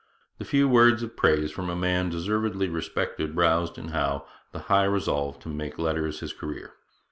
The few words of praise from a man deservedly respected roused in Howe the high resolve to make letters his career.